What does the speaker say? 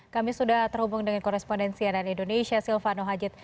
kami sudah terhubung dengan korespondensi ann indonesia silvano hajid